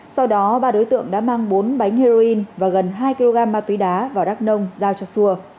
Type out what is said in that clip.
sau đó ba đối tượng đã mang bốn bánh heroin và gần hai kg ma túy đá vào đắk nông giao cho xua